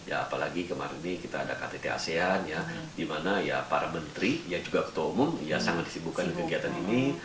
apalagi kemarin ini kita ada ktt asean ya di mana para menteri yang juga ketua umum sangat disibukkan dengan kegiatan ini